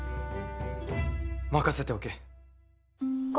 任せておけ。